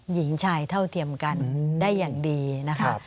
หญิงชายเท่าเทียมกันได้อย่างดีนะคะ